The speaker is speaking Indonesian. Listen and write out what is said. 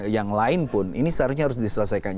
yang lain pun ini seharusnya harus diselesaikan